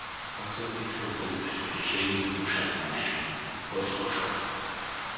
Пак се опитвах да ги приближа и им пошепна нещо, но кой слуша?